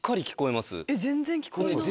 全然聞こえない。